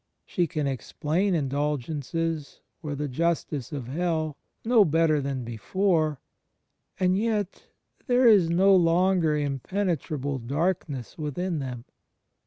She can "ex plain" indulgences, or the justice of Hell, no better than before; and yet there is no longer impenetrable darkness within them.